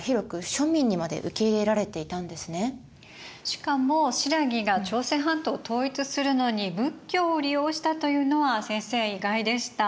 しかも新羅が朝鮮半島を統一するのに仏教を利用したというのは先生意外でした。